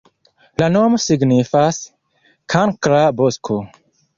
La nomo signifas: kankra-bosko.